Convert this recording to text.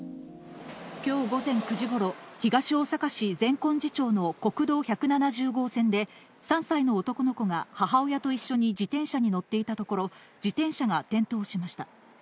きょう午前９時ごろ、東大阪市善根寺町の国道１７０号線で、３歳の男の子が母親と一緒に自転車に乗っていたところ、自転車が転倒しました。